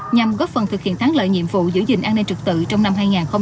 nhằm góp phần thực hiện thắng lợi nhiệm vụ giữ gìn an ninh trực tự trong năm hai nghìn hai mươi bốn